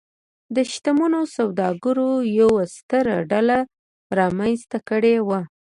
د شتمنو سوداګرو یوه ستره ډله رامنځته کړې وه.